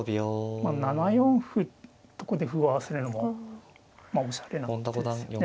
まあ７四歩とここで歩を合わせるのもおしゃれな手ですよね。